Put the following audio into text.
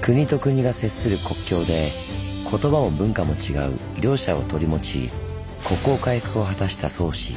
国と国が接する国境で言葉も文化も違う両者を取り持ち国交回復を果たした宗氏。